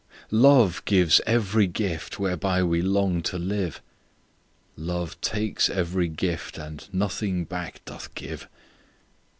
Love gives every gift whereby we long to live "Love takes every gift, and nothing back doth give."